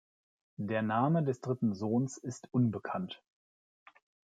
Der Name des dritten Sohns ist unbekannt.